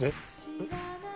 えっ？